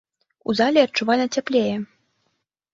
У зале адчувальна цяплее.